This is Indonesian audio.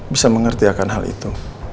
bisa mengerti akan hal itu